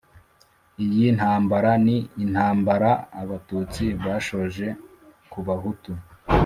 iyi ntambara ni intambara abatutsi bashoje kubahutu